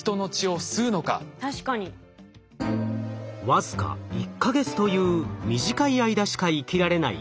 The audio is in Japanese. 僅か１か月という短い間しか生きられない蚊。